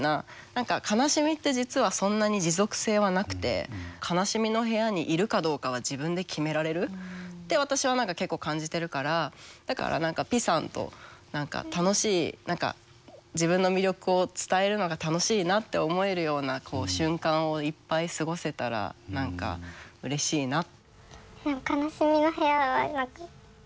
何か悲しみって実はそんなに持続性はなくて悲しみの部屋にいるかどうかは自分で決められるって私は結構感じてるからだからピさんと何か楽しい何か自分の魅力を伝えるのが楽しいなって思えるような瞬間をいっぱい過ごせたら何かうれしいな。